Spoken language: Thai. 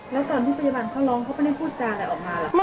แล้วตอนที่พยาบาลเขาร้องเขาไม่ได้พูดจาอะไรออกมาหรอกค่ะ